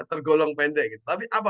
tergolong pendek gitu tapi apa pak